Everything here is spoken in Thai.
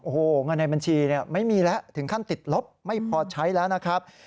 โอ้โหเงินในบัญชีไม่มีแล้วถึงขั้นติดลบไม่พอใช้แล้วนะครับ